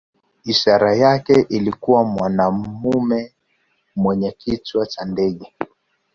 Ishara yake ilikuwa mwanamume mwenye kichwa cha ndege.